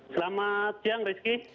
selamat siang rizky